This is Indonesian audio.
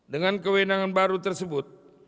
dengan kewenangan baru tersebut